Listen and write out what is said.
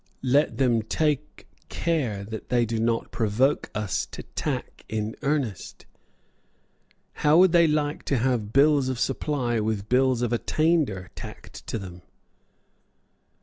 Let them take care that they do not provoke us to tack in earnest. How would they like to have bills of supply with bills of attainder tacked to them?"